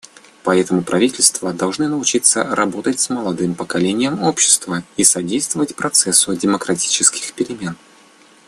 Поэтому правительства должны научиться работать с молодым поколением общества и содействовать процессу демократических перемен.